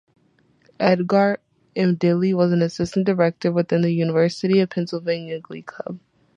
Edgar M. Dilley was an assistant director with The University of Pennsylvania Glee Club.